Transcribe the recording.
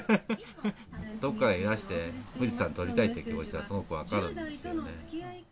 遠くからいらして、富士山撮りたいって気持ちは、すごく分かるんですけどね。